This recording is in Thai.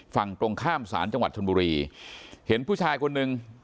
ฝั่งตรงข้ามศาลจังหวัดชนบุรีเห็นผู้ชายคนหนึ่ง